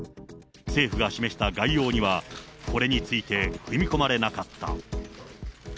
政府が示した概要には、これについて踏み込まれなかった。